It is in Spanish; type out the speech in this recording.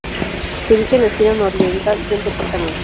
Se ubica en la esquina nororiental del departamento.